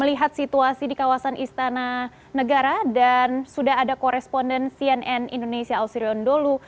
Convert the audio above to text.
melihat situasi di kawasan istana negara dan sudah ada koresponden cnn indonesia ausirion dulu